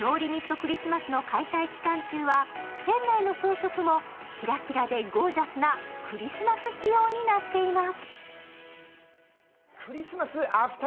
クリスマスの開催期間中は、店内の装飾もキラキラでゴージャスなクリスマス仕様になっています。